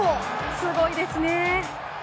すごいですね！